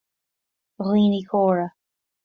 A dhaoine córa,